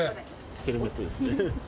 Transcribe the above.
ヘルメットですね。